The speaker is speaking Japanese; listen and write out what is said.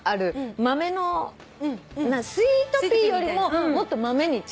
豆のスイートピーよりももっと豆に近いのがあるじゃない。